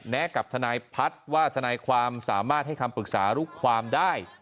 กับทนายพัฒน์ว่าทนายความสามารถให้คำปรึกษาลูกความได้